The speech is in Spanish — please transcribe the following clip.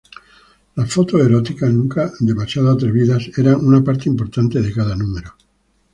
Las fotos eróticas, nunca demasiado atrevidas, eran una parte importante de cada número.